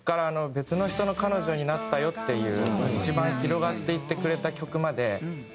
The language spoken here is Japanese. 『別の人の彼女になったよ』っていう一番広がっていってくれた曲まで７年。